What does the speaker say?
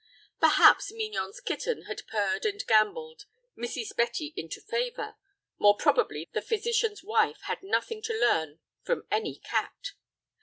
Perhaps Mignon's kitten had purred and gambolled Mrs. Betty into favor; more probably the physician's wife had nothing to learn from any cat.